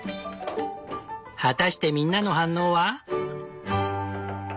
果たしてみんなの反応は？